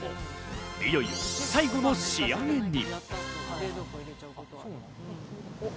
いよいよ最後の仕上げに。